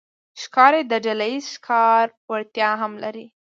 ښکاري د ډلهییز ښکار وړتیا هم لري.